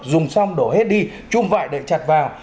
dùng xong đổ hết đi chum vại đậy chặt vào